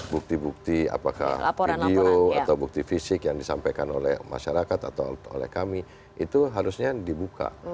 bukti bukti apakah video atau bukti fisik yang disampaikan oleh masyarakat atau oleh kami itu harusnya dibuka